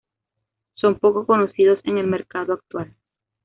Son poco conocidos en el mercado actual.